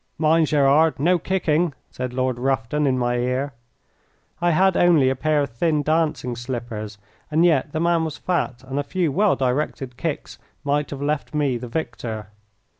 "Mind, Gerard, no kicking!" said Lord Rufton in my ear. I had only a pair of thin dancing slippers, and yet the man was fat, and a few well directed kicks might have left me the victor.